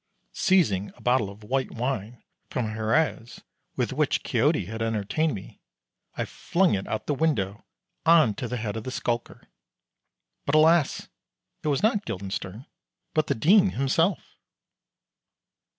Seizing a bottle of white wine from Xeres with which Quixote had entertained me, I flung it out of the window on to the head of the skulker, but alas! it was not Guildenstern but the Dean himself!